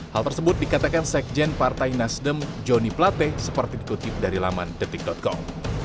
hal tersebut dikatakan sekjen partai nasdem joni plate seperti dikutip dari laman detik com